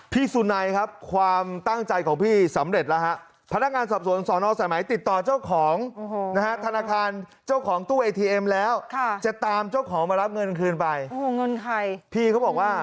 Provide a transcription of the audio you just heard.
พี่สุนัยครับความตั้งใจของพี่สำเร็จแล้ว